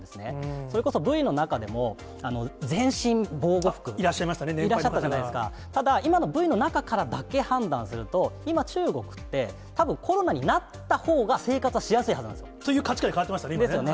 それこそＶの中でも、全身防護服、いらっしゃったじゃないですか、ただ、今のＶの中からだけ判断すると、今、中国って、たぶんコロナになったほうが生活はしやすいはずなんですよ。という価値観に変わってましですよね。